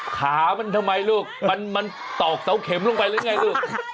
ขามันทำไมลูกมันตอกเสาเข็มลงไปหรือไงลูก